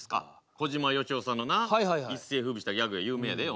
小島よしおさんのな一世風靡したギャグや有名やで。